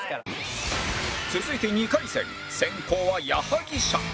続いて２回戦先攻は矢作舎